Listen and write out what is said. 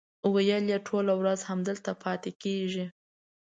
ویل یې ټوله ورځ همدلته پاتې کېږي.